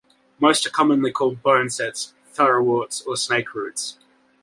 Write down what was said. Most are commonly called bonesets, thoroughworts or snakeroots.